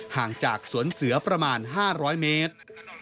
ห่างจากสวนเสือประมาณ๕๐๐เมตร